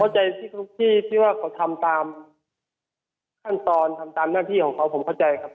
ที่ว่าเขาทำตามขั้นตอนทำตามหน้าที่ของเขาผมเข้าใจครับ